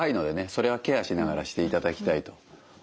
それはケアしながらしていただきたいと思います。